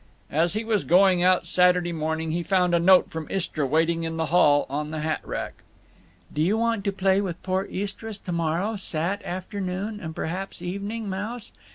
As he was going out Saturday morning he found a note from Istra waiting in the hall on the hat rack: Do you want to play with poor Istra tomorrow Sat. afternoon and perhaps evening, Mouse?